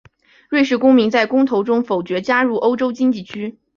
瑞士公民在公投中否决加入欧洲经济区。